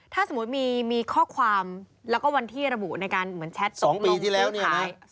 ถ้าสมมุติมีข้อความแล้วก็วันที่ระบุในการแชทตกลงตู้พาย